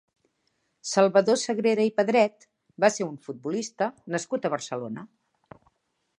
Salvador Sagrera i Pedret va ser un futbolista nascut a Barcelona.